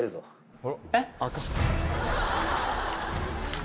えっ？